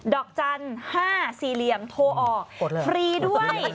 ดอกจันทร์๕สี่เหลี่ยมโทรออกฟรีด้วย